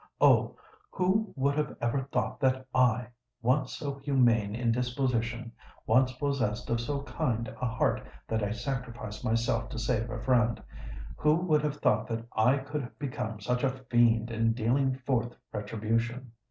Oh! who would have ever thought that I—once so humane in disposition—once possessed of so kind a heart that I sacrificed myself to save a friend,—who would have thought that I could have become such a fiend in dealing forth retribution?